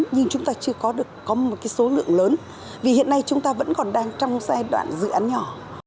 nhưng chúng ta chưa có một số lượng lớn vì hiện nay chúng ta vẫn còn đang trong giai đoạn dự án nhỏ